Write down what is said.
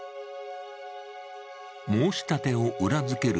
申し立てを裏づける